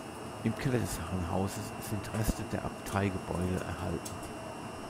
Im Keller des Herrenhauses sind Reste der Abteigebäude erhalten.